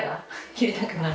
切りたくない？